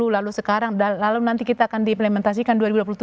lalu sekarang lalu nanti kita akan diimplementasikan dua ribu dua puluh tujuh